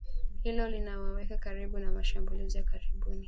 Hilo linawaweka karibu na mashambulizi ya karibuni